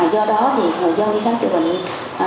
do đó thì người dân đi khám chữa bệnh